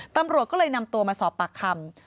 ตำรวจก็เลยนำตัวมาสอบปากคำ